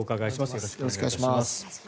よろしくお願いします。